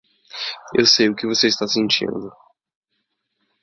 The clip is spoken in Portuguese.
Eu sei o que você está sentindo.